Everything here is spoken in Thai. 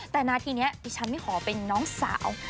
แต่นาทีนี้ดิฉันไม่ขอเป็นน้องสาว